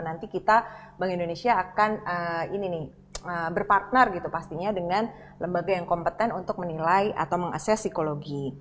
nanti kita bank indonesia akan ini nih berpartner gitu pastinya dengan lembaga yang kompeten untuk menilai atau mengakses psikologi